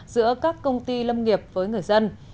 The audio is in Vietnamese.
giữa các công ty lâm nghiệp với người dân